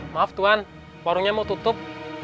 maaf tuhan warungnya mau tutup